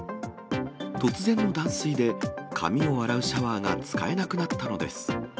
突然の断水で、髪を洗うシャワーが使えなくなったのです。